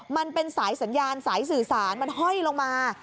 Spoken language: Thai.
มันเป็นสายสัญญาณสายสื่อสารมันห้อยลงมา